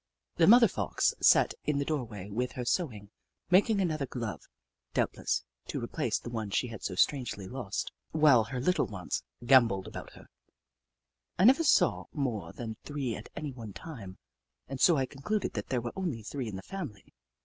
The mother Fox sat in the doorway with her sewing, making another glove, doubtless, to replace the one she had so strangely lost, while her little ones gambolled about her, I never saw more than three at any one time, and so I concluded that there were only three in the family.